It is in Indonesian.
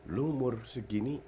lu umur segini